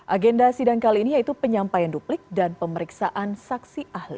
agenda sidang kali ini yaitu penyampaian duplik dan pemeriksaan saksi ahli